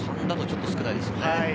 ３だとちょっと少ないですね。